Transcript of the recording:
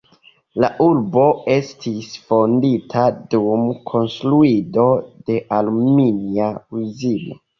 La urbo estis fondita dum konstruado de aluminia uzino.